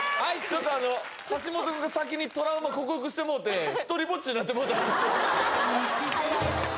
ちょっとあの橋本くんが先にトラウマ克服してもうてひとりぼっちになってもうたんですよ